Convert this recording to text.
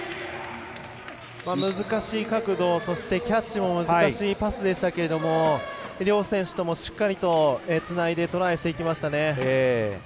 難しい角度そしてキャッチも難しいパスでしたけども両選手とも、しっかりとつないでトライしていきましたね。